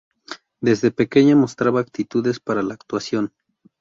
Desde pequeña mostraba actitudes para la actuación.